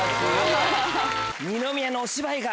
二宮のお芝居。